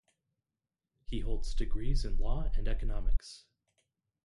He holds degrees in law and economics.